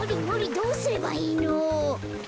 どうすればいいの？